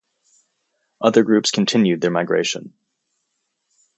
Other groups continued their migration.